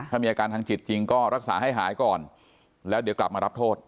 ถ้ามีอาการทางจิตจริงก็รักษาให้หายก่อนแล้วเดี๋ยวกลับมารับโทษ